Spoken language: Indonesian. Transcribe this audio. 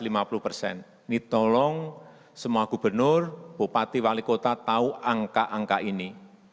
ini tolong semua gubernur bupati wali kota tahu angka angka ini